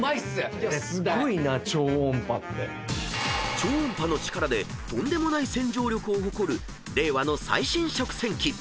［超音波の力でとんでもない洗浄力を誇る令和の最新食洗機］